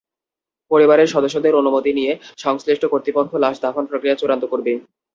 পরিবারের সদস্যদের অনুমতি নিয়ে সংশ্লিষ্ট কর্তৃপক্ষ লাশ দাফনের প্রক্রিয়া চূড়ান্ত করবে।